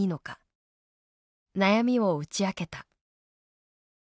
悩みを打ち明けた。